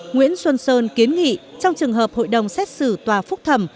nguyễn xuân sơn kiến nghị trong trường hợp hội đồng xét xử tòa phúc thẩm